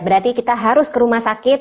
berarti kita harus ke rumah sakit